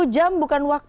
dua puluh jam bukan waktu